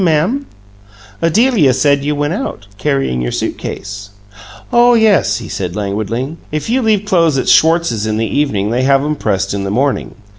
"Ma'am?" "Adelia said you went out, carrying your suit case." "Oh yes," he said, languidly. "If you leave clothes at Schwartz's in the evening they have 'em pressed in the morning.